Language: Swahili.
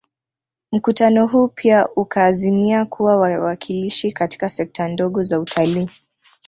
Mkutano huu pia ukaazimia kuwa wawakilishi katika sekta ndogo za utalii